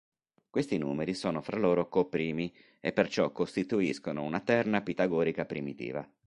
Questi numeri sono fra loro coprimi e perciò costituiscono una terna pitagorica primitiva.